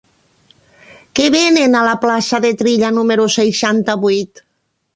Què venen a la plaça de Trilla número seixanta-vuit?